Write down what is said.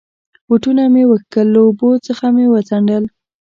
بوټونه مې و کښل، له اوبو څخه مې و څنډل.